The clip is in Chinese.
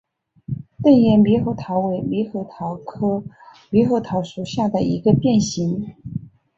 钝叶猕猴桃为猕猴桃科猕猴桃属下的一个变型。